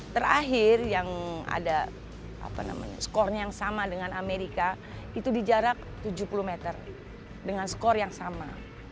terakhir yang ada skornya yang sama dengan amerika itu di jarak tujuh puluh meter dengan skor yang sama